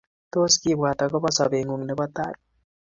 tos kiibwat akobo sobeng'ung' nebo tai?